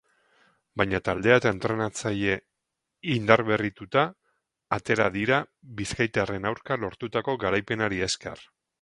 Baina taldea eta entrenatzaile indarberrituta atera dira bizkaitarren aurka lortutako garaipenari esker.